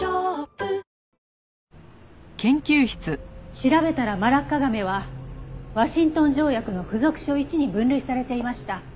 調べたらマラッカガメはワシントン条約の附属書Ⅰに分類されていました。